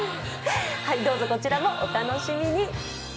どうぞこちらもお楽しみに。